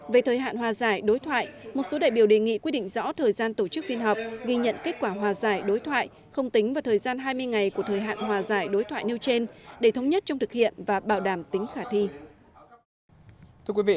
về thời hạn hòa giải đối thoại một số đại biểu đề nghị quy định rõ thời gian tổ chức phiên họp ghi nhận kết quả hòa giải đối thoại không tính vào thời gian hai mươi ngày của thời hạn hòa giải đối thoại nêu trên để thống nhất trong thực hiện và bảo đảm tính khả thi